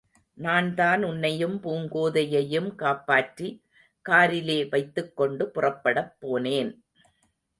நான்தான் உன்னையும் பூங்கோதையையும் காப்பாற்றி, காரிலே வைத்துக் கொண்டு புறப்படப் போனேன்.